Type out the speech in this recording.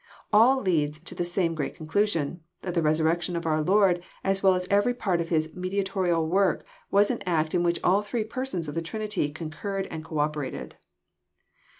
AH leads to the same great conclusion,— that the resurrection of Our Lord, as well as every part of His mediatorial work, was an act in which all three Persons of the Trinity concurred and co operated.